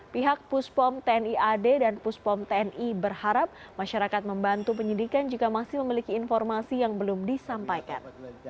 pihak puspong tni ad dan puspong tni berharap masyarakat membantu penyelidikan juga masih memiliki informasi yang belum disampaikan